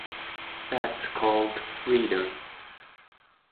That's called freedom.